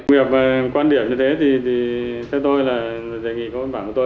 vì vậy quan điểm như thế thì theo tôi là đề nghị của bản của tôi